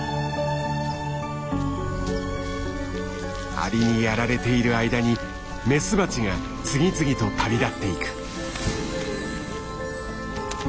アリにやられている間にメスバチが次々と旅立っていく。